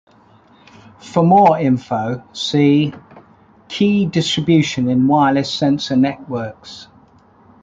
For more info see: key distribution in wireless sensor networks.